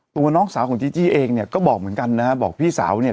ตัวน้องสาวของจีจี้เองเนี่ยก็บอกเหมือนกันนะฮะบอกพี่สาวเนี่ย